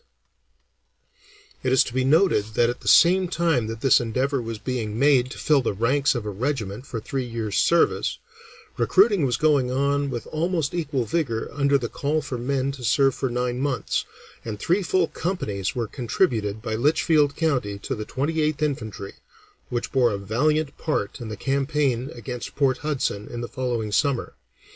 [Illustration: Rev. Hiram Eddy] It is to be noted that at the same time that this endeavor was being made to fill the ranks of a regiment for three years' service, recruiting was going on with almost equal vigor under the call for men to serve for nine months, and three full companies were contributed by Litchfield County to the Twenty eighth Infantry, which bore a valiant part in the campaign against Port Hudson in the following summer.